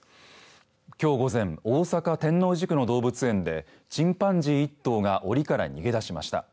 きょう午前、大阪天王寺区の動物園でチンパンジー１頭がおりから逃げ出しました。